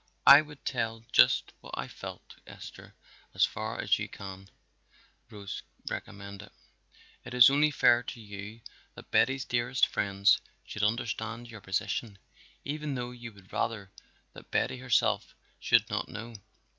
"I would tell just what I felt, Esther, as far as you can," Rose recommended. "It is only fair to you that Betty's dearest friends should understand your position, even though you would rather that Betty herself should not know.